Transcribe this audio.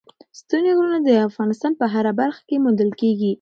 ستوني غرونه د افغانستان په هره برخه کې موندل کېږي.